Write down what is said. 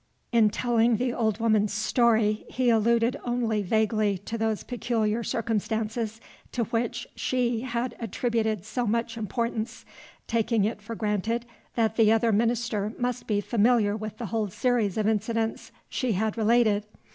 In telling the old woman's story, he alluded only vaguely to those peculiar circumstances to which she had attributed so much importance, taking it for granted that the other minister must be familiar with the whole series of incidents she had related.